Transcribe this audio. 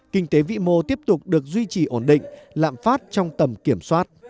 kinh tế vĩ mô tiếp tục được duy trì ổn định lạm phát trong tầm kiểm soát